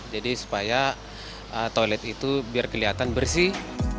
jadi supaya toilet itu biar kelihatan bersih